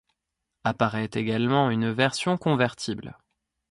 Apparaît également une version convertible.